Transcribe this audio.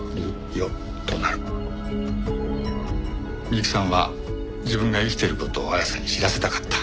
美雪さんは自分が生きている事を亜矢さんに知らせたかった。